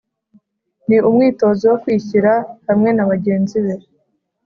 Ni umwitozo wo kwishyira hamwe na bagenzi be